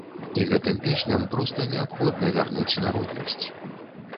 І гэтым песням проста неабходна вярнуць народнасць.